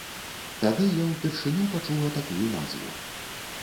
Тады я ўпершыню пачула такую назву.